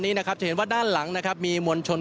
นี้นะครับจะเห็นว่าด้านหลังนะครับมีมวลชน